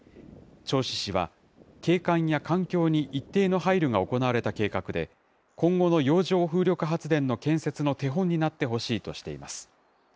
銚子市は景観や環境に一定の配慮が行われた計画で、今後の洋上風力発電の建設の基本になってほしいとしています。